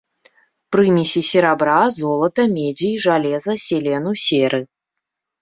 Прымесі серабра, золата, медзі, жалеза, селену, серы.